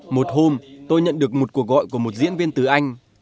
một hôm tôi nhận được một cuộc gọi của một diễn viên từ anh